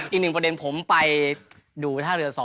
อีกหนึ่งประเด็นผมไปดูท่าเรือ๒